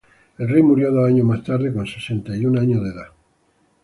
El rey murió dos años más tarde, con setenta y un años de edad.